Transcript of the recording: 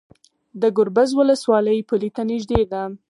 د ګربز ولسوالۍ پولې ته نږدې ده